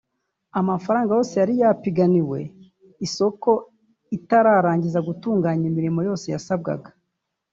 amafaranga yose yari yapiganiwe isoko itararangiza gutunganya imirimo yose yasabwaga